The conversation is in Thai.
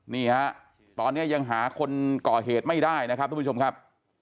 นี่ฮะตอนนี้ยังหาคนก่อเหตุไม่ได้นะครับทุกผู้ชมครับ